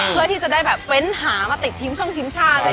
เพื่อที่จะได้แบบเฟ้นหามาติดทีมช่องทีมชาติ